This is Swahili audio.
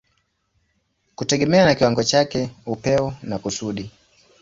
kutegemea na kiwango chake, upeo na kusudi.